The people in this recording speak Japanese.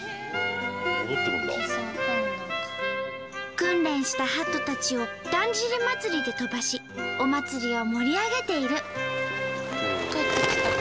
訓練したハトたちをだんじり祭で飛ばしお祭りを盛り上げている。